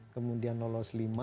kemudian lolos lima